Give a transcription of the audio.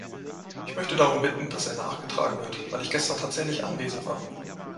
Ich möchte darum bitten, dass er nachgetragen wird, weil ich gestern tatsächlich anwesend war.